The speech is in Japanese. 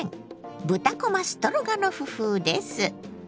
「豚こまストロガノフ風」です。